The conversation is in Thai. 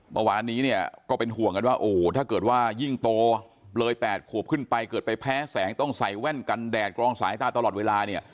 เมื่อวานนี้เนี่ยก็เป็นห่วงกันว่าโอ้โหถ้าเกิดว่ายิ่งโตเลย๘ขวบขึ้นไปเกิดไปแพ้แสงต้องใส่แว่นกันแดดกรองสายตาตลอดเวลาเนี่ย